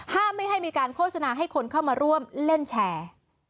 ไม่ให้มีการโฆษณาให้คนเข้ามาร่วมเล่นแชร์